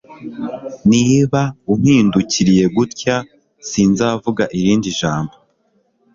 Niba umpindukiriye gutya, sinzavuga irindi jambo.